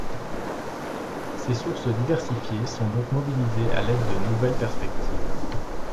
Ces sources diversifiées sont donc mobilisées à l’aide de nouvelles perspectives.